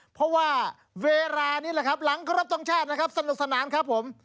เพราะว่าเวลานี้แหละครับหลังครบทรงชาตินะครับสนุกสนานครับผม